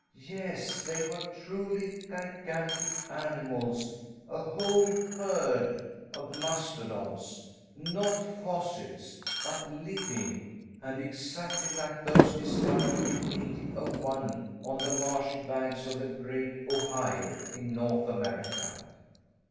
Yes, they were truly gigantic animals, a whole herd of mastodons, not fossils, but living, and exactly like those discovered in 1801, on the marshy banks of the great Ohio, in North America.